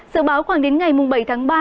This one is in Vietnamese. dự báo khoảng đến ngày bảy tháng ba